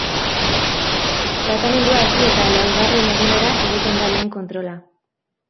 Tratamendua hasi eta laugarren egunera egiten da lehen kontrola.